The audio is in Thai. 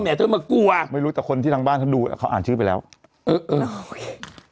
เธอมากลัวไม่รู้แต่คนที่ทางบ้านเขาดูอ่ะเขาอ่านชื่อไปแล้วเออเออโอเค